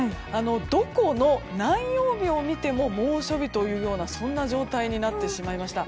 どこの何曜日を見ても猛暑日というそんな状態となってしまいました。